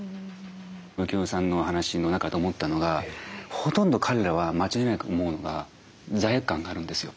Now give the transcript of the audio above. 浮世さんの話の中で思ったのがほとんど彼らは間違いなく思うのが罪悪感があるんですよ。